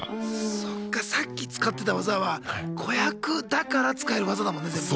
そっかさっき使ってた技は子役だから使える技だもんね全部。